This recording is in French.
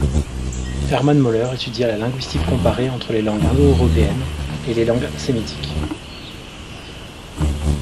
Hermann Møller étudia la linguistique comparée entre les langues indo-européennes et les langues sémitiques.